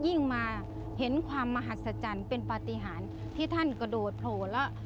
มาเห็นความมหัศจรรย์เป็นปฏิหารที่ท่านกระโดดโผล่แล้ว